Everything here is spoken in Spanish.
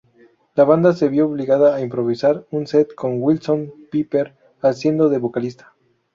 La banda se vio obligado a improvisar un set, con Willson-Piper haciendo de vocalista.